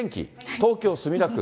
東京・墨田区。